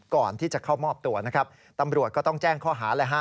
ก่อนที่จะเข้ามอบตัวนะครับตำรวจก็ต้องแจ้งข้อหาเลยฮะ